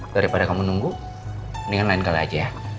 daripada kamu nunggu mendingan lain kali aja